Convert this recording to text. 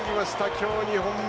今日２本目。